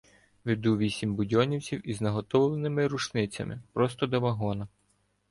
Веду вісім будьонівців із наготовленими рушницями просто до вагона.